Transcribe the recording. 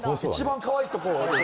一番かわいいとこを。